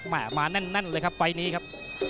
มาแน่นเลยครับไฟล์นี้ครับ